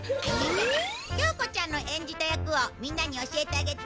京子ちゃんの演じた役をみんなに教えてあげて！